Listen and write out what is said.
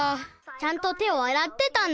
ちゃんと手をあらってたんだよ。